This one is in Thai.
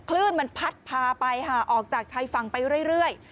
คลื่นมันพัดพาไปค่ะออกจากชายฝั่งไปเรื่อย